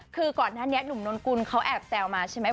คือก่อนหน้านี้หนุ่มนนกุลเขาแอบแซวมาใช่ไหม